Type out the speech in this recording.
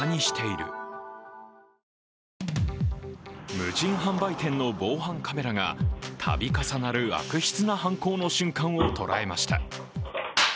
無人販売店の防犯カメラが度重なる悪質な犯行の瞬間を捉えました。